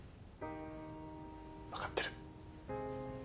分かってる。